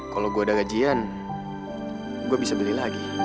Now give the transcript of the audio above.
kalo gak ada gue jual